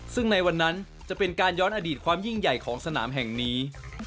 ซึ่งในวันนั้นจะเป็นการย้อนอดีตความยิ่งใหญ่ของสนามแห่งนี้